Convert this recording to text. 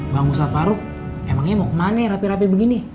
bang ustaz farouk emangnya mau kemana nih rapi rapi begini